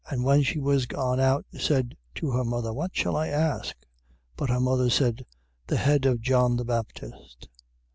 Who when she was gone out, said to her mother, What shall I ask? But her mother said: The head of John the Baptist.